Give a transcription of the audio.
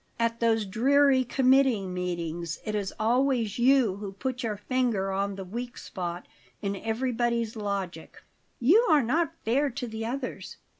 At those dreary committee meetings it is always you who put your finger on the weak spot in everybody's logic." "You are not fair to the others.